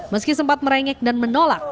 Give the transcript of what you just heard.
meski sempat merengek dan menolak